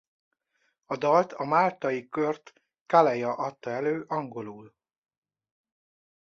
A dalt a máltai Kurt Calleja adta elő angolul.